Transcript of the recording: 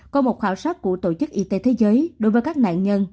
có một khảo sát của tổ chức y tế thế giới đối với các nạn nhân